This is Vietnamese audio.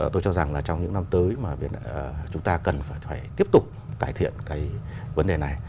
tôi cho rằng trong những năm tới chúng ta cần phải tiếp tục cải thiện vấn đề này